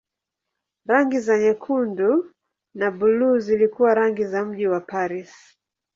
Rangi za nyekundu na buluu zilikuwa rangi za mji wa Paris.